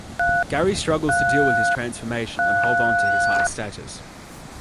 Gary struggles to deal with his transformation and hold on to his high status.